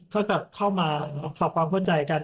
ถ้าเกิดเข้ามาฝากความเข้าใจกัน